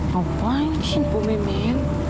ngapain sih buuuh